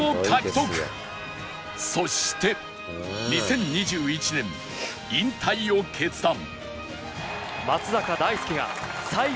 そして２０２１年引退を決断